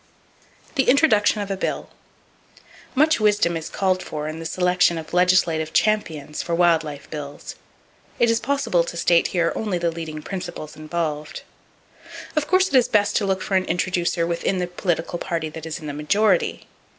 The Introduction Of A Bill. —Much wisdom is called for in the selection of legislative champions for wild life bills. It is possible to state here only the leading principles involved. Of course it is best to look for an introducer within the political party that is in the majority.